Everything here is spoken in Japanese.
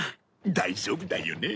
大丈夫だよね？